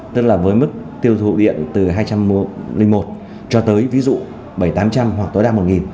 tức là với mức tiêu thụ điện từ hai trăm linh một cho tới ví dụ bảy trăm linh tám trăm linh hoặc tối đa một nghìn